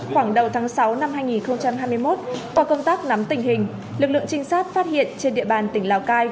khoảng đầu tháng sáu năm hai nghìn hai mươi một qua công tác nắm tình hình lực lượng trinh sát phát hiện trên địa bàn tỉnh lào cai